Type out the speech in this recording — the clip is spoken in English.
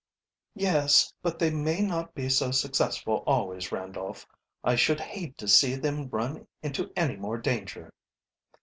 "Yes, but they may not be so successful always, Randolph. I should hate to see them run into any more, danger."